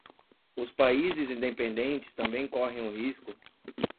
os países independentes também correm o risco